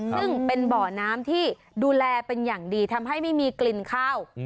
ซึ่งเป็นบ่อน้ำที่ดูแลเป็นอย่างดีทำให้ไม่มีกลิ่นข้าว